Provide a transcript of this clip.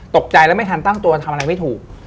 ตกใจแล้วไม่ทันตั้งตัวทำอะไรไม่ถูก